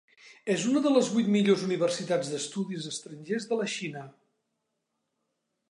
És una de les vuit millors universitats d'estudis estrangers de la Xina.